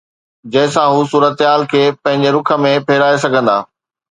جنهن سان هو صورتحال کي پنهنجي رخ ۾ ڦيرائي سگهندا.